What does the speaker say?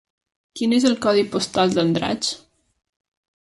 Quin és el codi postal d'Andratx?